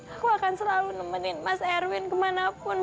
aku akan selalu nemenin mas erwin kemanapun mas erwin pergi